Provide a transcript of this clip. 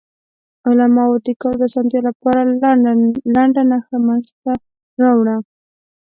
علماوو د کار د اسانتیا لپاره لنډه نښه منځ ته راوړه.